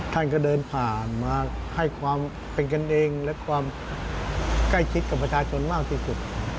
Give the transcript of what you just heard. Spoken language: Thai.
ท่านก็เดินผ่านมาให้ความเป็นกันเองและความใกล้ชิดกับประชาชนมากที่สุด